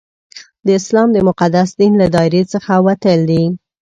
د اسلام د مقدس دین له دایرې څخه وتل دي.